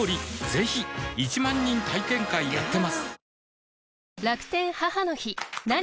ぜひ１万人体験会やってますはぁ。